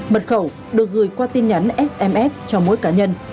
mật khẩu được gửi qua tin nhắn sms cho mỗi cá nhân